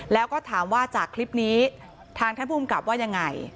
แล้วก็ถามว่าจากคลิปนี้ทางท่านภูมิกับว่ายังไง